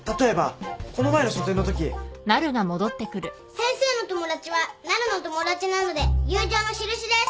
先生の友達はなるの友達なので友情のしるしです。